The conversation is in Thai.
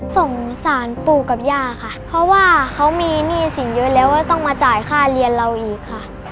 สงสารปู่กับย่าค่ะเพราะว่าเขามีหนี้สินเยอะแล้วก็ต้องมาจ่ายค่าเรียนเราอีกค่ะ